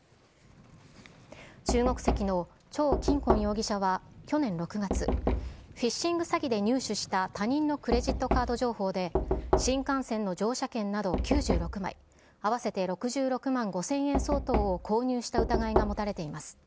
中国籍の張錦根容疑者は去年６月、フィッシング詐欺で入手した他人のクレジットカード情報で、新幹線の乗車券など９６枚、合わせて６６万５０００円相当を購入した疑いが持たれています。